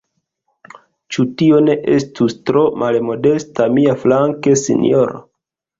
Ĉu tio ne estus tro malmodesta miaflanke, sinjoro?